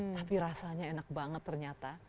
tapi rasanya enak banget ternyata